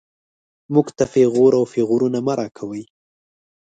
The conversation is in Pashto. موږ ته پېغور او پېغورونه مه راکوئ